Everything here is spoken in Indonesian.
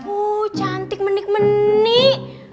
uh cantik menik menik